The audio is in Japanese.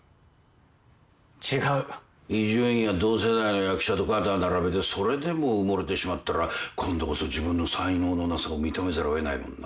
伊集院や同世代の役者と肩並べてそれでも埋もれてしまったら今度こそ自分の才能のなさを認めざるを得ないもんな。